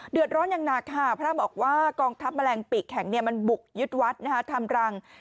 เดือดร้อนอย่างหนักค่ะพระเจ้าบอกว่ากองค์ทัพแมลงปีแข็งเนี่ยมันบุกยึดวัดนะคะทำรัง